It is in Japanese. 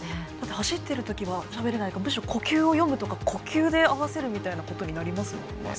走ってるときはしゃべれないからむしろ、呼吸を読むとか呼吸で合わせることになりますよね。